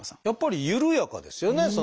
やっぱり緩やかですよね